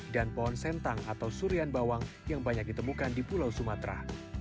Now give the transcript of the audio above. dan pohon sentang atau surian bawang yang banyak ditemukan di pulau sumatera